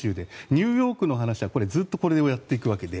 ニューヨークの話はずっとこれをやっていくわけで。